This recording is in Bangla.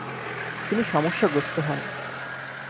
তিনি সমস্যাগ্রস্থ হন।